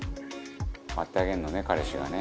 割ってあげるのね、彼氏がね。